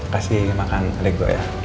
kasih makan adek gua ya